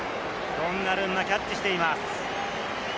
ドンナルンマ、キャッチしています。